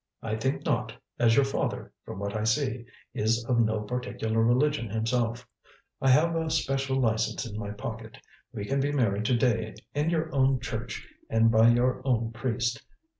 "I think not, as your father, from what I saw, is of no particular religion himself. I have a special license in my pocket. We can be married to day in your own church and by your own priest.